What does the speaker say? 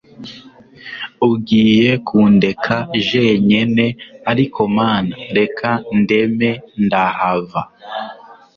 ugiye kundeka jenyene…Ariko Mana reka ndeme ndahava